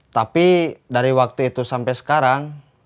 tapi dari waktu itu sampai sekarang